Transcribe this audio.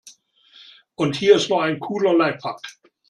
Und hier ist noch ein cooler Lifehack.